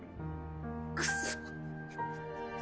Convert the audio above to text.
くそ。